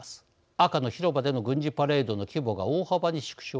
赤の広場での軍事パレードの規模が大幅に縮小。